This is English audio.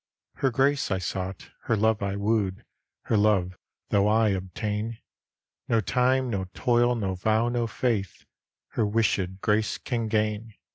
Her grace I sought, her love I wooed; Her love though I obtaine, No time, no toyle, no vow, no faith, Her wishèd grace can gaine.